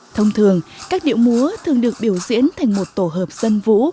thông thường các điệu múa thường được biểu diễn thành một tổ hợp dân vũ